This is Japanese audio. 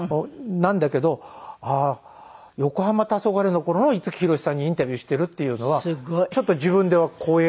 なんだけど『よこはま・たそがれ』の頃の五木ひろしさんにインタビューしているっていうのはちょっと自分では光栄だなと思って。